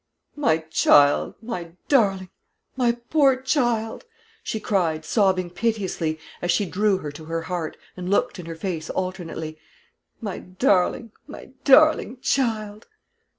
"My child; my darling, my poor child," she cried, sobbing piteously, as she drew her to her heart and looked in her face alternately "my darling, my darling child!"